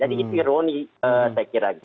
jadi itu ironi saya kira